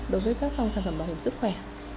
đối với các phòng sản phẩm bảo hiểm sức khỏe